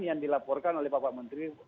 yang dilaporkan oleh bapak menteri